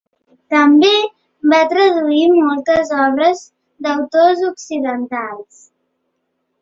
També va traduir moltes obres d'autors occidentals.